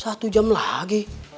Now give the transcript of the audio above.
satu jam lagi